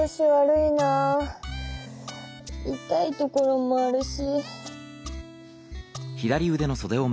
いたいところもあるし。